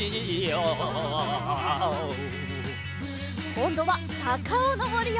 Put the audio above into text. こんどはさかをのぼるよ！